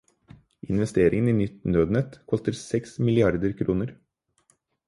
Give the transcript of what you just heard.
Investeringen i nytt nødnett koster seks milliarder kroner.